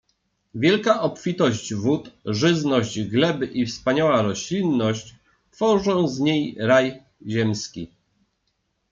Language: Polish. Wielka obfitość wód, żyzność gleby i wspaniała roślinność tworzą z niej raj ziemski.